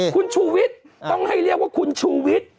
คุณชูวิทย์ต้องให้เรียกว่าคุณชูวิทย์